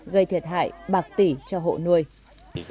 gây thiệt hại bạc tỷ cho hộ nuôi